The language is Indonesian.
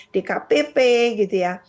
dkpp gitu ya